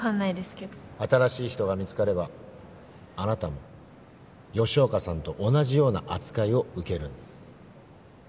新しい人が見つかればあなたも吉岡さんと同じような扱いを受けるんです。